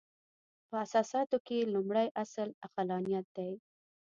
په اساساتو کې یې لومړۍ اصل عقلانیت دی.